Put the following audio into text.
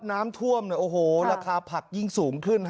น้ำท่วมโอ้โหราคาผักยิ่งสูงขึ้น